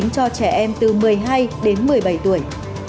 cho trẻ em từ một mươi hai đến một mươi bảy tuổi